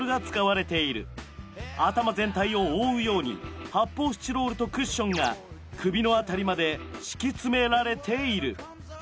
頭全体を覆うように発泡スチロールとクッションが首の辺りまで敷き詰められている。